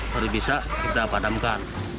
baru bisa kita padamkan